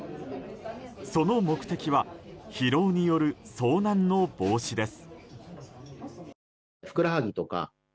その目的は疲労による遭難の防止です。